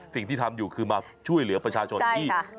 สิ่งที่ทำอยู่คือมาช่วยเหลือประชาชนที่